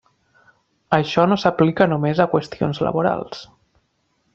Això no s'aplica només a qüestions laborals.